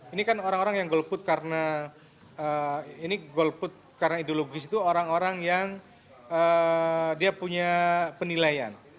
ini kan orang orang yang golput karena ini golput karena ideologis itu orang orang yang dia punya penilaian